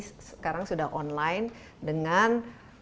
sekarang sudah online dengan